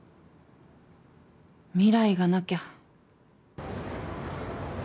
未来がなきゃ。